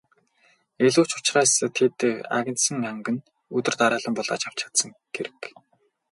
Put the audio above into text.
Илүү ч учраас тэд агнасан анг нь өдөр дараалан булааж авч чадсан хэрэг.